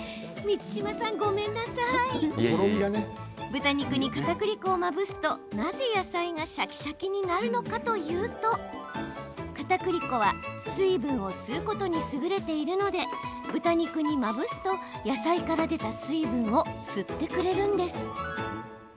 豚肉に、かたくり粉をまぶすとなぜ野菜がシャキシャキになるかというとかたくり粉は、水分を吸うことに優れているので豚肉にまぶすと野菜から出た水分を吸ってくれるんです。